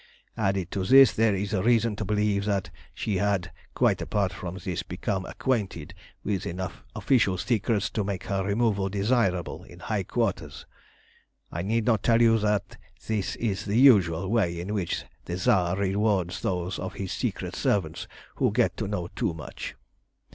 "Added to this there is reason to believe that she had, quite apart from this, become acquainted with enough official secrets to make her removal desirable in high quarters. I need not tell you that that is the usual way in which the Tsar rewards those of his secret servants who get to know too much.